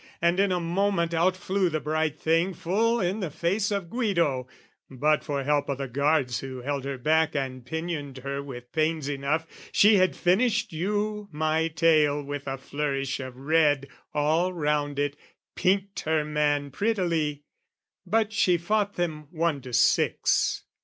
And in a moment out flew the bright thing Full in the face of Guido, but for help O' the guards who held her back and pinioned her With pains enough, she had finished you my tale With a flourish of red all round it, pinked her man Prettily; but she fought them one to six.